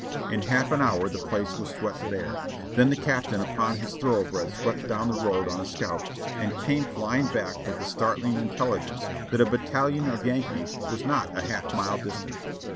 In half an hour the place was swept bare ; then the Captain upon his thoroughbred swept down the road on a scout, and came flying back with the startling intelligence that a battalion of Yankees was not a half mile distant.